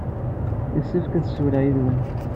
Yessefk ad ssiwleɣ yid-wen.